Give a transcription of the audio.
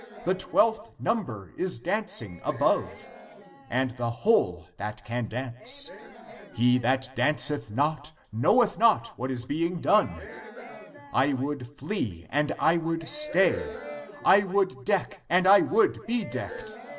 Amen. The Twelfth number is dancing above. Amen. And the Whole that can dance. Amen. He that danceth not, knoweth not what is being done. Amen. I would flee and I would stay. Amen. I would deck, and I would be decked.